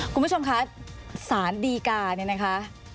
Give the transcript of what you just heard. คุณผู้ชมคะสารดีกาเนี่ยนะคะ